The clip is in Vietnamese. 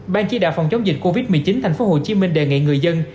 ban chỉ đạo phòng chống dịch covid một mươi chín tp hcm đề nghị người dân